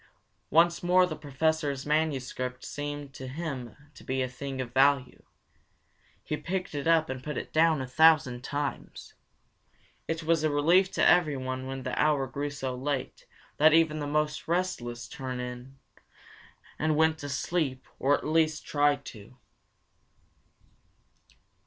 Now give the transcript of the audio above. Once more the Professor's manuscript seemed to him to be a thing of value. He picked it up and put it down a thousand times. It was a relief to everyone when the hour grew so late that even the most restless turned in, and went to sleep or at least tried to.